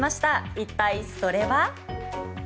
一体、それは？